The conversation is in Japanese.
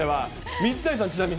水谷さん、ちなみに。